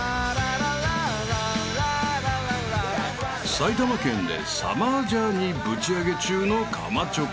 ［埼玉県でサマージャーニーブチ上げ中のかまチョコ］